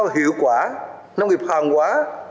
nông nghiệp cao hiệu quả nông nghiệp hàng hóa